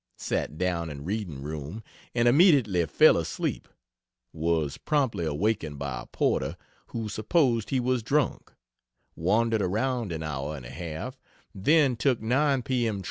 sat down in reading room and immediately fell asleep; was promptly awakened by a porter who supposed he was drunk; wandered around an hour and a half; then took 9 P. M.